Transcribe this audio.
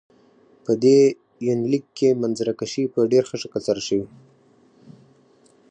په دې يونليک کې منظره کشي په ډېر ښه شکل سره شوي.